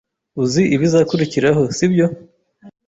Uzi ibizakurikiraho, sibyo?